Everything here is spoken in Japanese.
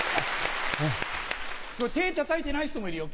手たたいてない人もいるよ。